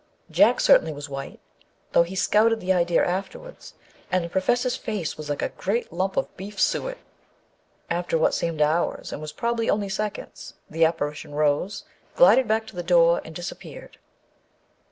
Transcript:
Jack certainly was white, though he scouted the idea afterwards, and the Professor's face was like a great lump of beef suet. After what seemed hours â and was probably only seconds â the ap parition rose, glided back to the door, and disappeared.